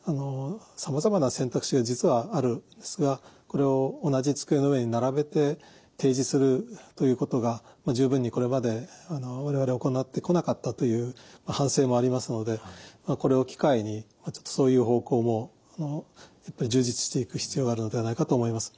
さまざまな選択肢が実はあるんですがこれを同じ机の上に並べて提示するということが十分にこれまで我々行ってこなかったという反省もありますのでこれを機会にそういう方向もやっぱり充実していく必要があるのではないかと思います。